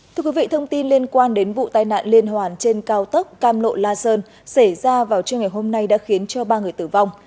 thưa quý vị thông tin liên quan đến vụ tai nạn liên hoàn trên cao tốc cam lộ la sơn xảy ra vào trưa ngày hôm nay đã khiến cho ba người tử vong